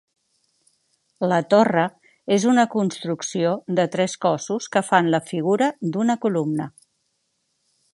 La torre és una construcció de tres cossos que fan la figura d'una columna.